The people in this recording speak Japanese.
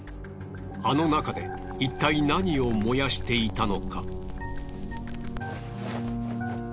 あの中でいったい何を燃やしていたのか？